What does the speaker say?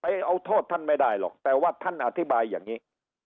เอาโทษท่านไม่ได้หรอกแต่ว่าท่านอธิบายอย่างนี้